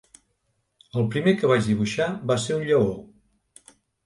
El primer que vaig dibuixar va ser un lleó.